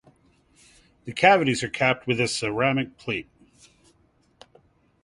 The cavities are capped with a ceramic plate.